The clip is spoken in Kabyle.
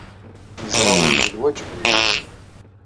Neẓra win d lwajeb-nneɣ.